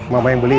mama yang beli